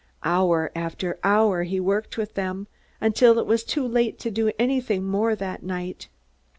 Hour after hour he worked with them, until it was too late to do anything more that night.